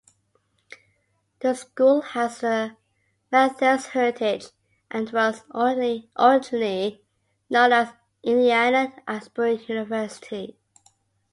The school has a Methodist heritage and was originally known as Indiana Asbury University.